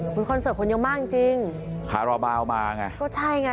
คือคอนเสิร์ตคนเยอะมากจริงจริงคาราบาลมาไงก็ใช่ไง